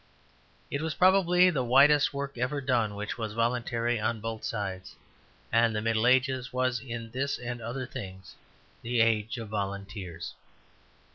It was probably the widest work ever done which was voluntary on both sides; and the Middle Ages was in this and other things the age of volunteers.